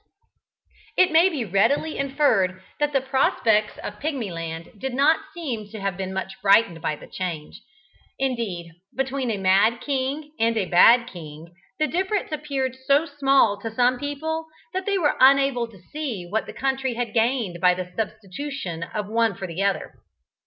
It may readily be inferred that the prospects of Pigmyland did not seem to have been much brightened by the change. Indeed, between a mad king and a bad king the difference appeared so small to some people that they were unable to see what the country had gained by the substitution of the one for the other.